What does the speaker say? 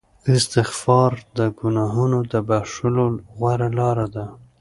استغفار د ګناهونو د بخښلو غوره لاره ده.